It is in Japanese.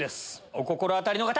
お心当たりの方！